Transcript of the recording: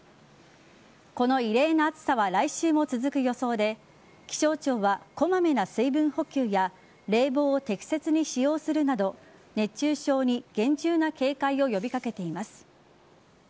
この異例な暑さは来週も続く予想で気象庁は、こまめな水分補給や冷房を適切に使用するなど熱中症に厳重な警戒を呼び掛けています。